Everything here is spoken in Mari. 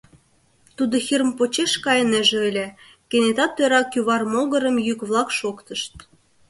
Тудо Хирм почеш кайынеже ыле, кенета тӧра кӱвар могырым йӱк-влак шоктышт.